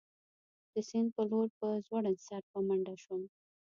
د سیند په لور په ځوړند سر په منډه شوم.